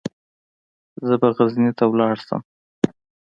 زه به غزني ته ولاړ شم.